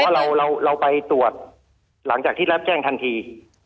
ถ้าเราไปตรวจหลังจากที่รับแจ้งทันที